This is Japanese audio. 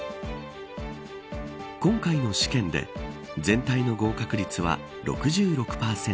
今回の試験で全体の合格率は６６％。